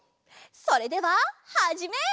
それでははじめい！